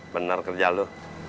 bener kerja lo